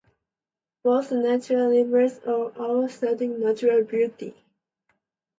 Both are nature reserves of outstanding natural beauty.